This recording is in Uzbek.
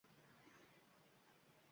Zal to`la odam